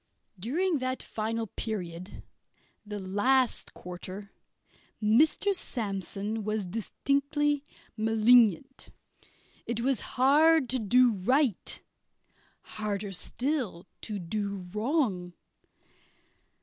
During that final period, the last quarter, Mr. Sandsome was distinctly malignant. It was hard to do right; harder still to do wrong.